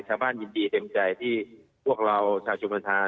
ชาวบ้านยินดีเต็มใจที่พวกเราชาวจุบันทรา